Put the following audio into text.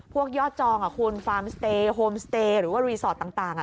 ยอดจองคุณฟาร์มสเตย์โฮมสเตย์หรือว่ารีสอร์ทต่าง